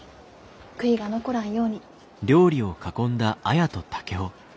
悔いが残らんように。